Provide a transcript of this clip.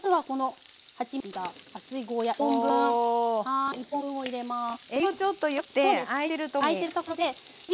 はい。